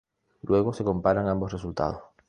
Luego se comparan ambos resultados.